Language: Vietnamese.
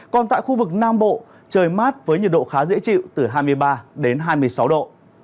còn tại khu vực nam bộ trời mát với nhiệt độ khá dễ chịu từ hai mươi ba đến hai mươi sáu độ